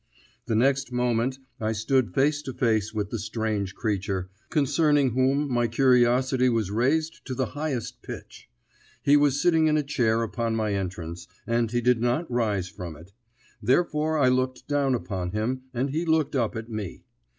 The next moment I stood face to face with the strange creature, concerning whom my curiosity was raised to the highest pitch. He was sitting in a chair upon my entrance, and he did not rise from it; therefore I looked down upon him and he looked up at me.